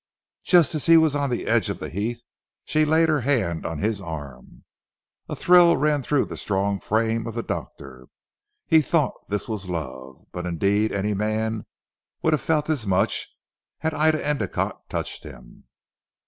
Just as he was on the edge of the heath she laid her hand on his arm. A thrill ran through the strong frame of the doctor. He thought this was love. But indeed any man would have felt as much had Ida Endicotte touched him.